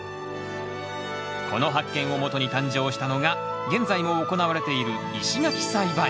この発見をもとに誕生したのが現在も行われている石垣栽培。